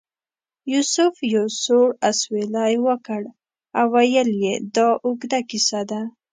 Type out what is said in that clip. یوسف یو سوړ اسویلی وکړ او ویل یې دا اوږده کیسه ده.